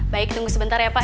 baik tunggu sebentar ya pak